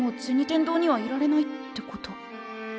天堂にはいられないってこと？